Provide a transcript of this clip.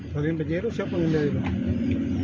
sorry pak jairus siapa pengendari bang